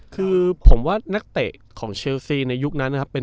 คือผมว่านักเตะของเชลซีในยุคนั้นนะครับ